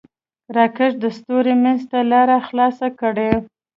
راکټ د ستورو منځ ته لاره خلاصه کړه